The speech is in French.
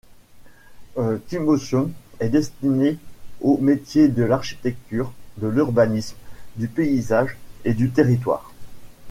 Twinmotion est destiné aux métiers de l'architecture, de l’urbanisme, du paysage et du territoire.